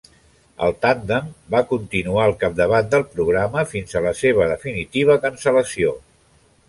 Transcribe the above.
El tàndem va continuar al capdavant del programa fins a la seva definitiva cancel·lació.